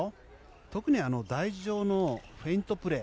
特に台上のフェイントプレー。